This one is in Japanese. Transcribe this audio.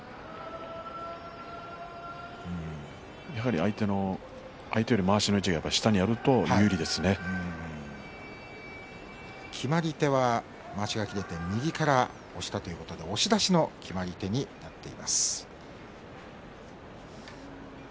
やはり相手よりまわしの位置が決まり手は右から押したということで押し出しの決まり手になっています。